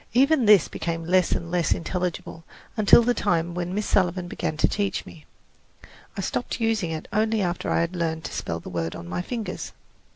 Even this became less and less intelligible until the time when Miss Sullivan began to teach me. I stopped using it only after I had learned to spell the word on my fingers.